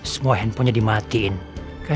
sekarang kamu ikut papa